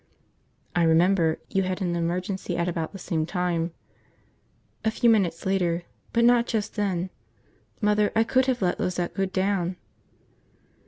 "I remember. You had an emergency at about the same time." "A few minutes later. But not just then. Mother, I could have let Lizette go down!"